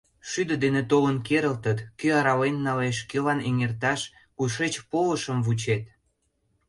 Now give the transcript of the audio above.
Шӱдӧ дене толын керылтыт - кӧ арален налеш, кӧлан эҥерташ, кушеч полышым вучет?